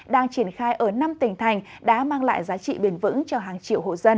đang triển khai ở năm tỉnh thành đã mang lại giá trị bền vững cho hàng triệu hộ dân